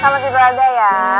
selamat tidur aja ya